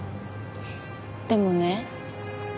でもね